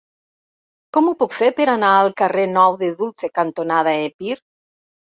Com ho puc fer per anar al carrer Nou de Dulce cantonada Epir?